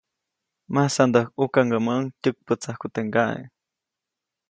Masandäjkʼukaŋgäʼmäʼuŋ tyäkpätsajku teʼ ŋgaʼe.